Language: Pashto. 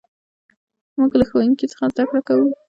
موږ له ښوونکي څخه زدهکړه کوو.